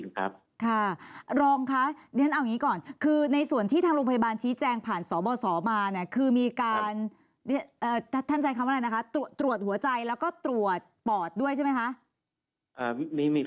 งั้นก็คือส่วนและภายใต้หลังจากระบบ